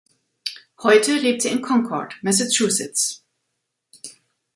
Heute lebt sie in Concord, Massachusetts.